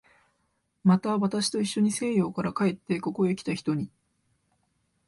また、私といっしょに西洋から帰ってここへきた人に